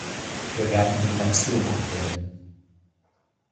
Wir werden Innovation anbringen.